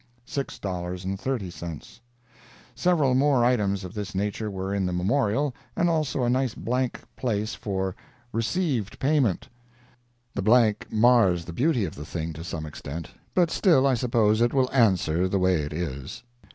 30 Several more items of this nature were in the memorial, and also a nice blank place for "RECEIVED PAYMENT." The blank mars the beauty of the thing to some extent, but still I suppose it will answer the way it is.